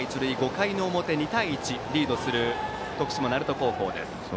５回の表、２対１リードする徳島・鳴門高校です。